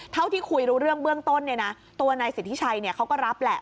เท่าที่คุยรู้เรื่องเบื้องต้นเนี่ยนะตัวนายสิทธิชัยเขาก็รับแหละ